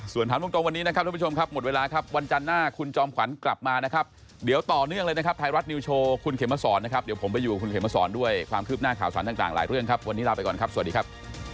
ส่วนถามตรงวันนี้นะครับทุกผู้ชมครับหมดเวลาครับวันจันทร์หน้าคุณจอมขวัญกลับมานะครับเดี๋ยวต่อเนื่องเลยนะครับไทยรัฐนิวโชว์คุณเขมสอนนะครับเดี๋ยวผมไปอยู่กับคุณเขมสอนด้วยความคืบหน้าข่าวสารต่างหลายเรื่องครับวันนี้ลาไปก่อนครับสวัสดีครับ